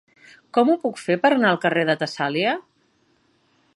Com ho puc fer per anar al carrer de Tessàlia?